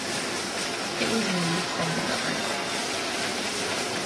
"It was me," said McGovern.